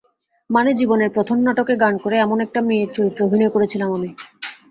মানে, জীবনের প্রথম নাটকে গান করে—এমন একটা মেয়ের চরিত্রে অভিনয় করেছিলাম আমি।